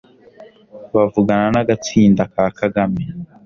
bavugana n'agatsinda ka Kagame,